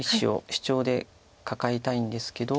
シチョウでカカえたいんですけど。